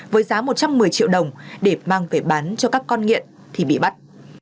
với giá một trăm một mươi triệu đồng để mang về bán cho các con nghiện thì bị bắt